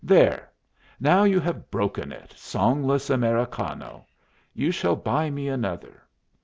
"There! now you have broken it, songless Americano! You shall buy me another."